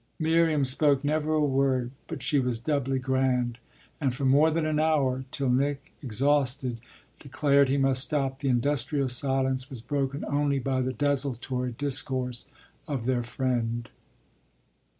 Miriam spoke never a word, but she was doubly grand, and for more than an hour, till Nick, exhausted, declared he must stop, the industrious silence was broken only by the desultory discourse of their friend.